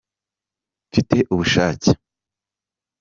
Mfite ubushake.